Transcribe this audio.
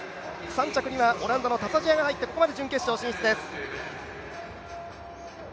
３着にはオランダのタサ・ジヤが入ってここまで準決勝に進出です。